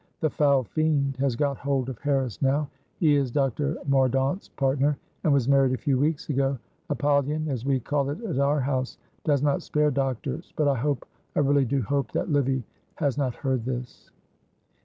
"The foul fiend" has got hold of Harris now, he is Dr. Mordaunt's partner, and was married a few weeks ago. Apollyon, as we call it at our house, does not spare doctors,' but I hope, I really do hope, that Livy has not heard this."